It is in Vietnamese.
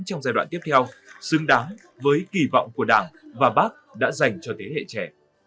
trong giai đoạn tiếp theo xứng đáng với kỳ vọng của đảng và bác đã dành cho thế hệ trẻ